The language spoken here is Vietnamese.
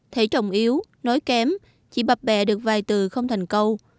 thấy chồng yếu nói kém chỉ bập bẹ được vài từ không thành câu